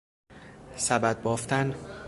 سبد بافتن